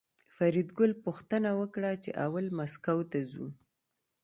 فریدګل پوښتنه وکړه چې اول مسکو ته ځو